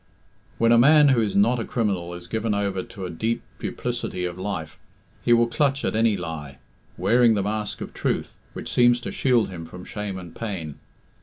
When a man who is not a criminal is given over to a deep duplicity of life, he will clutch at any lie, wearing the mask of truth, which seems to shield him from shame and pain.